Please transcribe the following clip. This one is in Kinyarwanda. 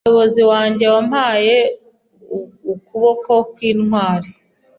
Umuyobozi wanjye wampaye ukuboko kwintwari